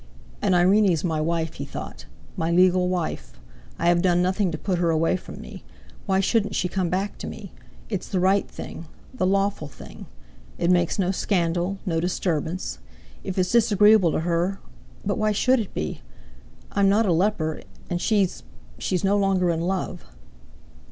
"And Irene's my wife," he thought, "my legal wife. I have done nothing to put her away from me. Why shouldn't she come back to me? It's the right thing, the lawful thing. It makes no scandal, no disturbance. If it's disagreeable to her—but why should it be? I'm not a leper, and she—she's no longer in love!"